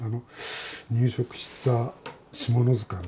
入植した下野塚の。